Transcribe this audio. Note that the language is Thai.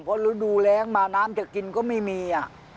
เพราะฤดูแรงมาน้ำจะกินก็ไม่มี